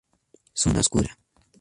Zona oscura.